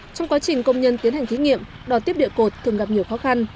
trong quá trình công nhân tiến hành thí nghiệm đòn tiếp địa cột thường gặp nhiều khó khăn